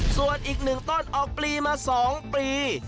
ส่วนอีก๑ต้นออกปลีมา๒ปี